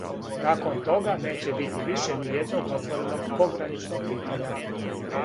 Након тога неће бити више ниједног отвореног пограничног питања.